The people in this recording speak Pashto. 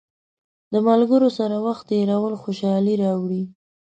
د ملګرو سره وخت تېرول خوشحالي راوړي.